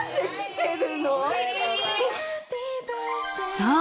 ［そう。